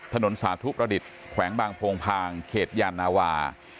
สาธุประดิษฐ์แขวงบางโพงพางเขตยานาวา